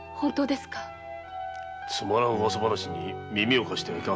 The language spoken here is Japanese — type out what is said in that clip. つまらん噂話に耳を貸してはいかん。